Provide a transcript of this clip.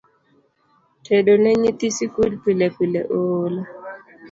Tedo ne nyithi sikul pilepile oola